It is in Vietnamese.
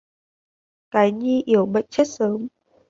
Cái nhi yểu bệnh chết sớm